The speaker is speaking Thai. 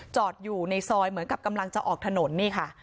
จอดอยู่ในซอยเหมือนกับกำลังจะออกถนนนี่ค่ะ